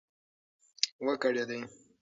و کړېدی .